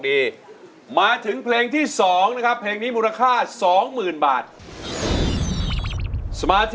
มีสมัครที่กันเยอะมากหรือเปล่า